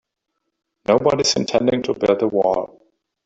Nobody's intending to build a wall.